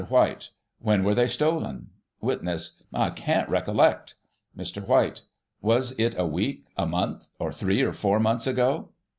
White : When were they stolen } Witness: I can't recollect. Mr. White : Was it a week, a month, or three or four months ago?